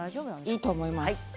いいと思います。